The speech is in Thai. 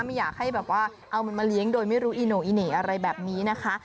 ไม่อยากให้แบบว่าเอามันมาเลี้ยงโดยไม่รู้อีโน่อีเหน่อะไรแบบนี้นะคะ